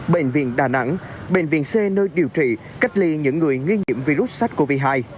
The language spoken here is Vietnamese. bệnh viện đà nẵng bệnh viện c nơi điều trị cách ly những người nghi nhiễm virus sars cov hai